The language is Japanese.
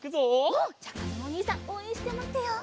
うん！じゃあかずむおにいさんおうえんしてまってよう。